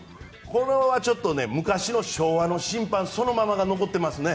これはちょっと昔の昭和の審判そのままが残っていますね。